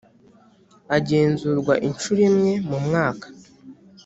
agenzurwa inshuro imwe mu mwaka